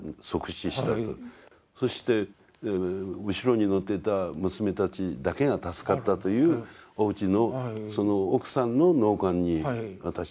そして後ろに乗ってた娘たちだけが助かったというおうちのその奥さんの納棺に私行ったんですね。